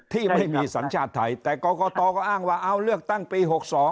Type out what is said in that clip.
ที่ไม่มีสัญชาติไทยแต่กรกตก็อ้างว่าเอาเลือกตั้งปี๖๒